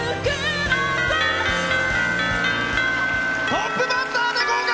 トップバッターで合格！